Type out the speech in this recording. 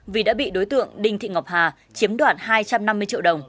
vì đã bị đối tượng đinh thị ngọc hà chiếm đoạt hai trăm năm mươi triệu đồng